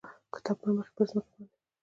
کتاب پړمخې پر مځکه باندې،